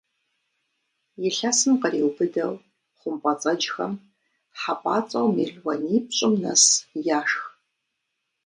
Илъэсым къриубыдэу хъумпӏэцӏэджхэм хьэпӀацӀэу мелуанипщӏым нэс яшх.